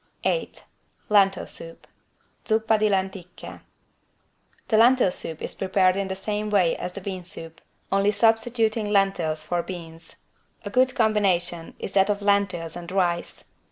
8 LENTIL SOUP (Zuppa di lenticchie) The lentil soup is prepared in the same way as the bean soup, only substituting lentils for beans. A good combination is that of lentils and rice.